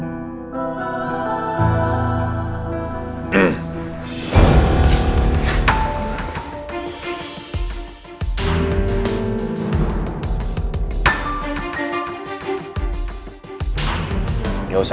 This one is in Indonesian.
tidak ada apa apa